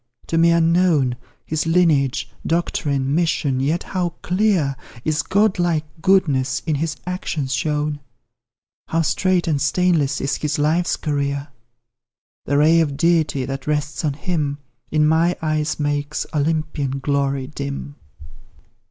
to me unknown His lineage doctrine mission; yet how clear Is God like goodness in his actions shown, How straight and stainless is his life's career! The ray of Deity that rests on him, In my eyes makes Olympian glory dim.